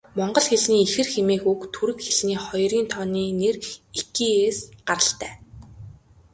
Монгол хэлний ихэр хэмээх үг түрэг хэлний хоёрын тооны нэр 'ики'-ээс гаралтай.